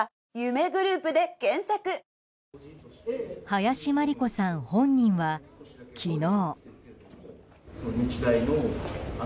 林真理子さん本人は昨日。